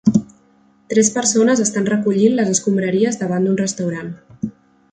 tres persones estan recollint les escombraries davant d'un restaurant